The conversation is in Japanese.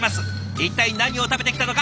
一体何を食べてきたのか